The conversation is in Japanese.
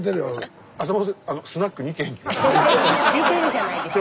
スタジオ出てるじゃないですか。